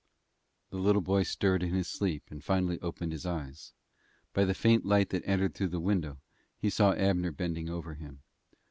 The little boy stirred in his sleep, and finally opened his eyes. By the faint light that entered through the window, he saw Abner bending over him.